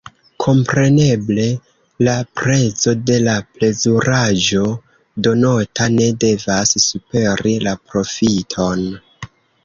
Kompreneble, la prezo de la plezuraĵo donota ne devas superi la profiton.